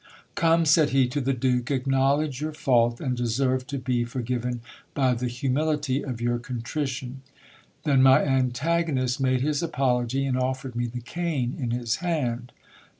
Come, said he to the Duke, acknowledge your fault, and deserve to be forgiven by the humility of your contrition. Then my antagonist made his apology, and offered me the cane in his hand.